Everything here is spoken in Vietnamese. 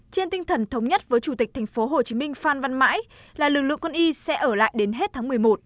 trên tinh thần thống nhất với chủ tịch tp hcm phan văn mãi là lực lượng quân y sẽ ở lại đến hết tháng một mươi một